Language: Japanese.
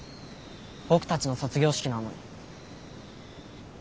僕たちの卒業式なのに。